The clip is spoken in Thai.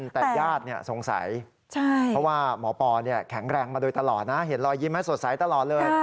แต่ญาติสงสัยเพราะว่าหมอปอแข็งแรงมาโดยตลอดนะเห็นรอยยิ้มให้สดใสตลอดเลย